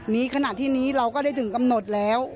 ขณะที่นี้เราก็ได้ถึงกำหนดแล้ว